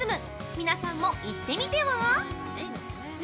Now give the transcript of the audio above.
皆さんも行ってみては？